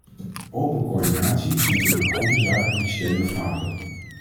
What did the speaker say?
Open coördinatie is natuurlijk een goede zaak en die steun ik van harte.